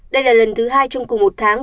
đây là lần thứ hai trong cùng một tháng